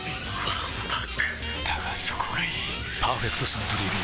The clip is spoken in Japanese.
わんぱくだがそこがいい「パーフェクトサントリービール糖質ゼロ」